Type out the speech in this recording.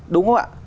đúng không ạ